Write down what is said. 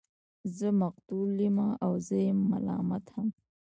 زه مقتول يمه او زه يم ملامت هم